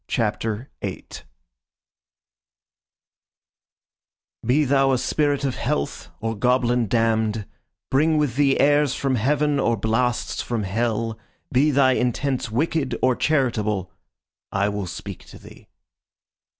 CHAPTER VIII Be thou a spirit of health, or goblin damn'd, Bring with thee airs from heaven, or blasts from hell, Be thy intents wicked, or charitable, I will speak to thee.